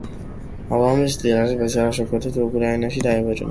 ალბომის ტირაჟი სპეციალური შეკვეთით უკრაინაში დაიბეჭდა.